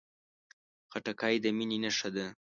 خټکی د مینې نښه ده.